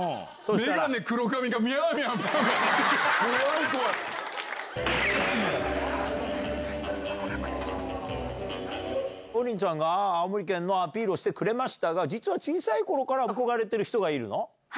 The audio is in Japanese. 眼鏡黒髪がみゃーみゃー、王林ちゃんが青森県のアピールをしてくれましたが、実は小さいころから憧れてる人がいるの？